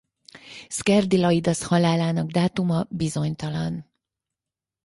Szkerdilaidasz halálának dátuma bizonytalan.